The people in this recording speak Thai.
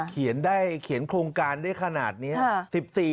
เขียนได้เขียนโครงการได้ขนาดนี้